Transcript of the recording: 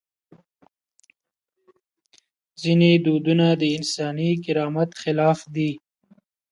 ځینې دودونه د انساني کرامت خلاف دي.